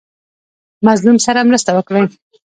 مظلوم سره مرسته وکړئ